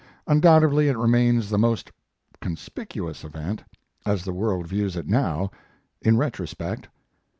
Undoubtedly it remains the most conspicuous event, as the world views it now, in retrospect.